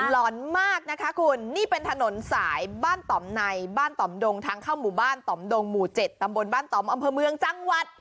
หล่อนมากนะคะคุณนี่เป็นถนนสายบ้านต่อมในบ้านต่อมดงทางเข้าหมู่บ้านต่อมดงหมู่๗ตำบลบ้านต่อมอำเภอเมืองจังหวัด